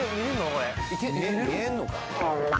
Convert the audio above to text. これ見えんのか？